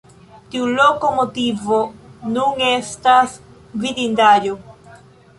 Tiu lokomotivo nun estas vidindaĵo.